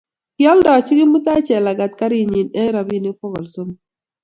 Kialdochi Kimutai Jelagat karinyi eng robinik pokol somok